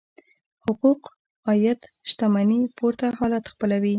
حقوق عاید شتمنۍ پورته حالت خپلوي.